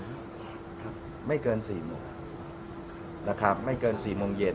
ครับไม่เกินสี่โมงนะครับไม่เกินสี่โมงเย็น